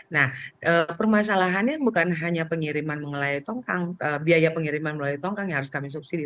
nah permasalahannya bukan hanya pengiriman melalui tongkang biaya pengiriman melalui tongkang yang harus kami subsidi